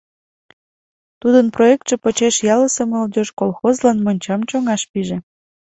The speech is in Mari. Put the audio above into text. Тудын проектше почеш ялысе молодёжь колхозлан мончам чоҥаш пиже.